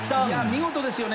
見事ですよね。